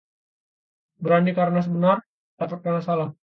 Berani karena benar, takut karena salah